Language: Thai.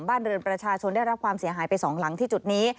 บ้านเรือนประชาชนได้รับความเสียหายไปสองหลังที่จุดนี้